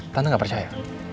tante gak percaya